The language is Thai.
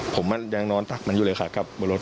ผมมันยังนอนตักมันอยู่เลยค่ะกลับบนรถ